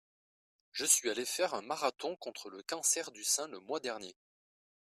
Je suis allé faire un marathon contre le cancer du sein le mois dernier.